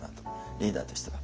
リーダーとしては。